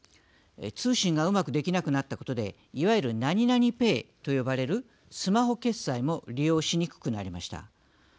通信がうまくできなくなったことでいわゆるなになにペイと呼ばれるスマホ決済も利用しにくくなりました。